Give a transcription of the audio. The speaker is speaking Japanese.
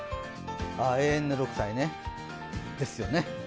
永遠の６歳ね、ですよね。